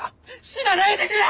死なないでくれ！